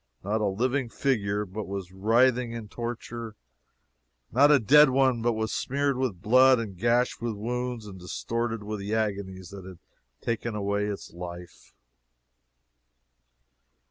not a living figure but was writhing in torture, not a dead one but was smeared with blood, gashed with wounds, and distorted with the agonies that had taken away its life!